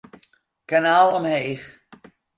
Kanaal omheech.